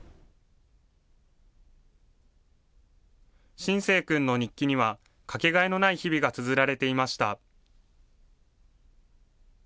心誠君の日記には、掛けがえのない日々がつづられていました。